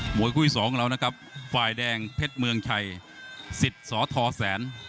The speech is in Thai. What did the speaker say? หมวยคู่สองแล้วนะครับฝ่ายแดงเผชเมืองชัยศิษย์สอธอแสน